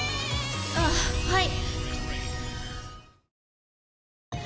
あっはい。